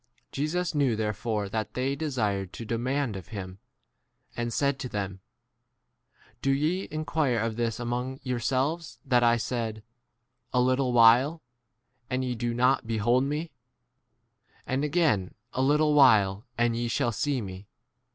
Jesus knew therefore that they desired to demand of him, and said to them, Do'ye inquire of this among yourselves that I* said, A little while and ye do not behold me ; and again a little [while] and ye 20 shall see me